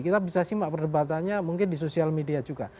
kita bisa simak perdebatannya mungkin di sosial media juga